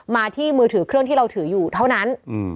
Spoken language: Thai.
มาที่มือถือเครื่องที่เราถืออยู่เท่านั้น